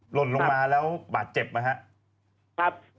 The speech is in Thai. หล่นลงมาแล้วปากเจ็บ